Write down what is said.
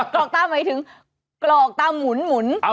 กรอกตาหมายถึงกรอกตาหมุนหมุนตา